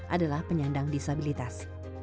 adalah penyandang disabilitas